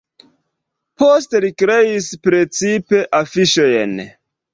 Poste li kreis precipe afiŝojn.